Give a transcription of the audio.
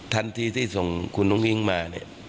ทันทีที่ส่งคุณอุ้งอิ๊งมาเนี่ย